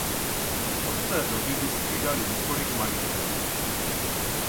Od té doby vystřídaly několik majitelů.